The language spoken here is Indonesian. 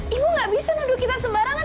ibu gak bisa nuduh kita sembarangan